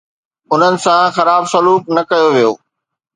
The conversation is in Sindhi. انهن سان خراب سلوڪ نه ڪيو ويو.